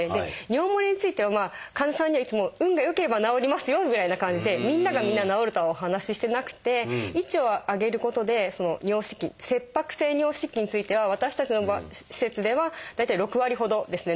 尿もれについてはまあ患者さんにはいつも運が良ければ治りますよぐらいな感じでみんながみんな治るとはお話ししてなくて位置を上げることで尿失禁「切迫性尿失禁」については私たちの施設では大体６割ほどですね